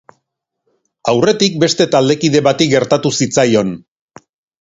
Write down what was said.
Aurretik beste taldekide bati gertatu zitzaion.